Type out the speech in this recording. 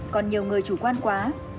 còn nhiều người chủ quan quá